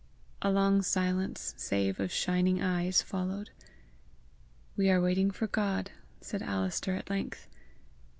A long silence, save of shining eyes, followed. "We are waiting for God!" said Alister at length.